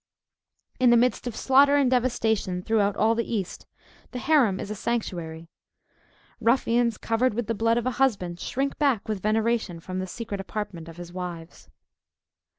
In the midst of slaughter and devastation, throughout all the East, the harem is a sanctuary. Ruffians, covered with the blood of a husband, shrink back with veneration from the secret apartment of his wives.